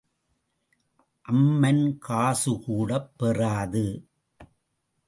அம்மன் காசு கூடப் பெறாது.